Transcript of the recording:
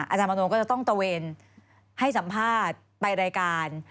อาจารย์มโนก็จะต้องตะเวนให้สัมภาษณ์ไปรายการ